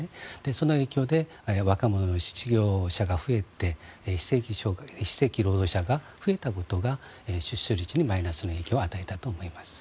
その影響で若者の失業者が増えて非正規労働者が増えたことが出生率にマイナスの影響を与えたと思います。